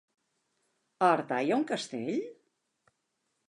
A Artà hi ha un castell?